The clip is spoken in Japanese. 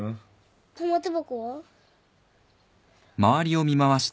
玉手箱は？